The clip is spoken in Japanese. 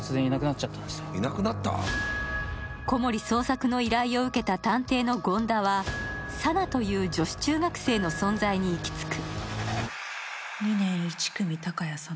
小森捜索の依頼を受けた探偵の権田はさなという女子中学生の存在にいきつく。